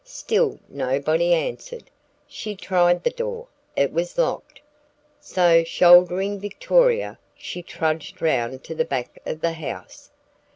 Still nobody answered. She tried the door. It was locked. So shouldering Victoria, she trudged round to the back of the house.